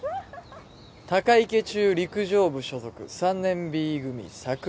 鷹池中陸上部所属３年Ｂ組桜木舜。